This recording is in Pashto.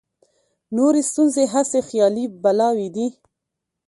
نورې ستونزې هسې خیالي بلاوې دي.